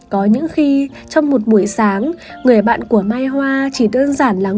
có những khi trong một buổi sáng người bạn của mai hoa chỉ đơn giản là ngồi